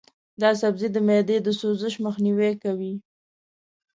دا سبزی د معدې د سوزش مخنیوی کوي.